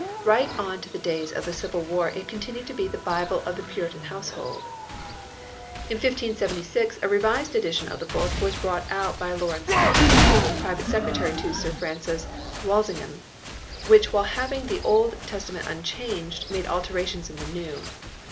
Right on to the days of the Civil War it continued to be the Bible of the Puritan household. In 1576 a revised edition of the book was brought out by Laurence Tomson, private secretary to Sir Francis Walsingham, which while leaving the Old Testament unchanged, made alterations in the New.